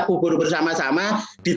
contohnya sekarang jut sprechen